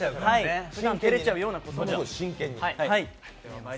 ふだん照れちゃうようなことでも。